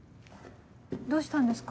どうしたんですか？